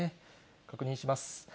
確認します。